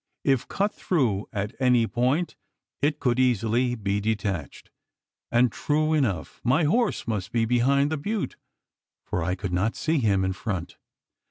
If cut through at any point, it could easily be detached; and, true enough, my horse must be behind the butte, for I could not see him in front.